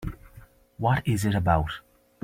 What is it about?